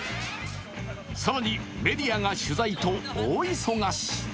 更にメディアが取材と大忙し。